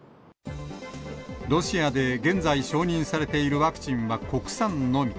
ロシアで現在、承認されているワクチンは国産のみ。